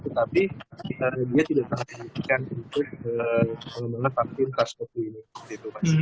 tetapi kita tidak akan menyimpulkan untuk meletakkan vaksin ini